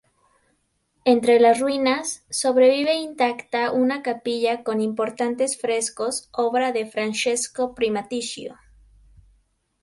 Entre las ruinas, sobrevive intacta una capilla con importantes frescos obra de Francesco Primaticcio.